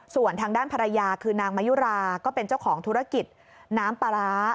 ส่วนทางด้านภรรยาคือนางมายุราก็เป็นเจ้าของธุรกิจน้ำปลาร้า